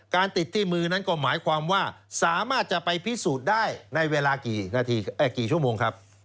ติดที่มือนั้นก็หมายความว่าสามารถจะไปพิสูจน์ได้ในเวลากี่นาทีกี่ชั่วโมงครับ